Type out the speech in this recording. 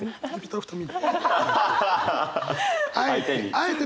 あえて。